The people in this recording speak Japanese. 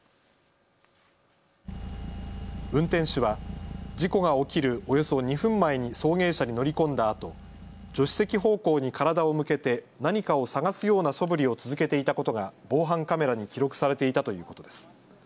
運転手は事故が起きるおよそ２分前に送迎車に乗り込んだあと助手席方向に体を向けて何かを探すようなそぶりを続けていたことが防犯カメラに記録されていたということです。